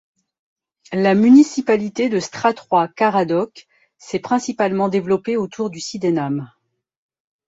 La municipalité de Strathroy-Caradoc s'est principalement développée autour du Sydenham.